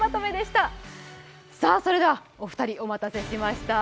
それではお二人お待たせしました。